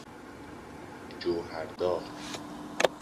جوهردار